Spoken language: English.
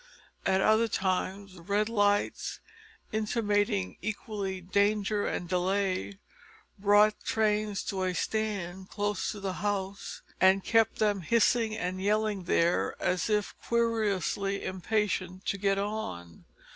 At other times red lights, intimating equally danger and delay, brought trains to a stand close to the house, and kept them hissing and yelling there as if querulously impatient to get on.